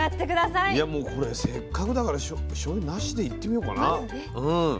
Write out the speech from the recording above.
いやもうこれせっかくだからしょうゆなしでいってみようかな。